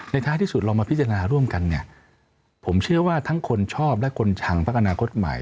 ท้ายที่สุดเรามาพิจารณาร่วมกันเนี่ยผมเชื่อว่าทั้งคนชอบและคนชังพักอนาคตใหม่